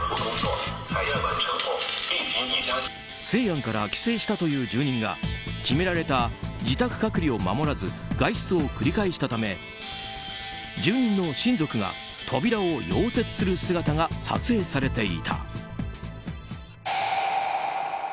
西安から帰省したという住人が決められた自宅隔離を守らず外出を繰り返したため住人の親族が扉を溶接する姿が撮影されていた。